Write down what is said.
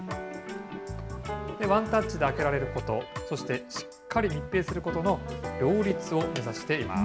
ワンタッチで開けられること、そしてしっかり密閉することの両立を目指しています。